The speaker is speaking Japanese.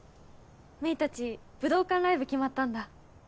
メイたち武道館ライブ決まったんだ